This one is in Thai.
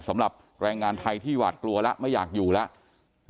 สำหรับแรงงานไทยที่หวาดกลัวแล้วไม่อยากอยู่แล้ว